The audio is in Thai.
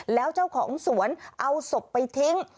แล้วเจ้าของสวนเอาศพไปทิ้ง